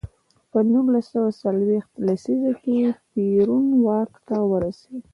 په نولس سوه څلویښت لسیزه کې پېرون واک ته ورسېد.